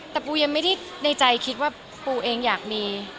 แต่ปูยังไม่ได้ในใจคิดว่าปูเองอยากมี